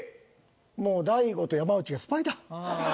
もう大悟と山内がスパイだ。